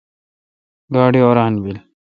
گاڑی اوران بیل۔